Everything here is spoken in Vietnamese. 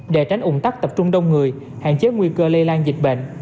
để tránh ủng tắc tập trung đông người hạn chế nguy cơ lây lan dịch bệnh